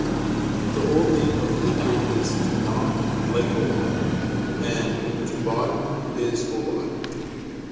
The old name of Lakewood is Danaw Likowai and Tubod is Obod.